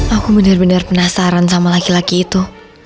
aku bener bener penasaran sama laki laki itu